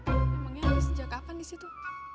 emangnya sejak kapan di situ